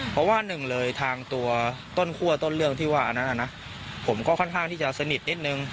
เพราะว่าหนึ่งเลยทางตัวต้นคั่วต้นเรื่องที่ว่าอันนั้นผมก็ค่อนข้างที่จะสนิทนิดนึง